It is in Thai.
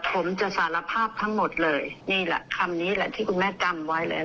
ผมจะสารภาพทั้งหมดเลยนี่แหละคำนี้แหละที่คุณแม่จำไว้แล้ว